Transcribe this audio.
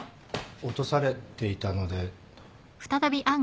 落とされていたので。